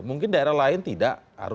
mungkin daerah lain tidak